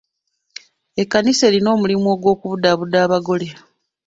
Ekkanisa erina omulimu gw'okubudaabuda abagole.